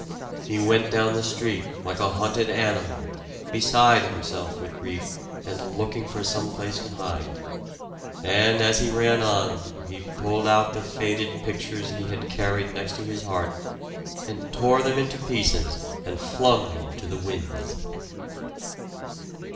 He went down the street, like a hunted animal, beside himself with grief, and looking for some place to hide. And as he ran on, he pulled out the faded pictures he had carried next to his heart, and tore them into pieces and flung them to the winds.